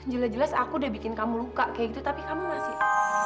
jelas jelas aku udah bikin kamu luka kayak gitu tapi kamu masih